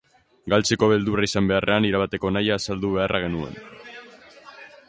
Galtzeko beldurra izan beharrean, irabateko nahia azaldu beharra genuen.